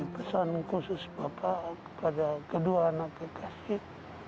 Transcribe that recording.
pesan khusus bapak kepada kedua anak yang dikasih